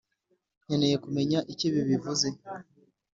nkeneye kumenya icyo ibi bivuze.